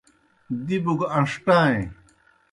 دِبوْ گہ ان٘ݜٹائیں۔